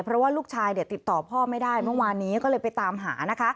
เพราะว่าลูกชายติดต่อพ่อไม่ได้เมื่อวานนี้ก็เลยไปตามหานะคะ